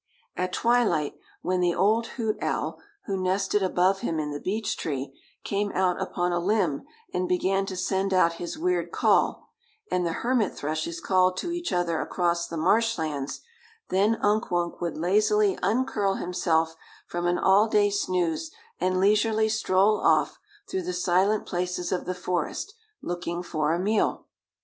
At twilight, when the old hoot owl, who nested above him in the beech tree, came out upon a limb and began to send out his weird call, and the hermit thrushes called to each other across the marsh lands, then Unk Wunk would lazily uncurl himself from an all day snooze, and leisurely stroll off through the silent places of the forest looking for a meal.